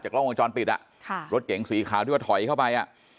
จากกล้องกองจรปิดรถเก๋งสีขาวที่ว่าถอยเข้าไป